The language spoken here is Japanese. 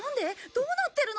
どうなってるの？